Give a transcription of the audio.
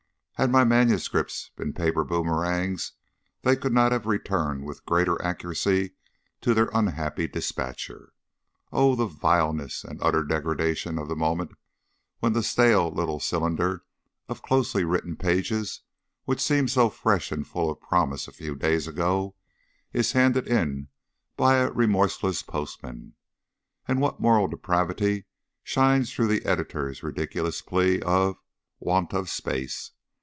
Had my manuscripts been paper boomerangs they could not have returned with greater accuracy to their unhappy dispatcher. Oh, the vileness and utter degradation of the moment when the stale little cylinder of closely written pages, which seemed so fresh and full of promise a few days ago, is handed in by a remorseless postman! And what moral depravity shines through the editor's ridiculous plea of "want of space!"